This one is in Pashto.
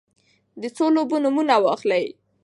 د څو لوبو نومونه واخلی ؟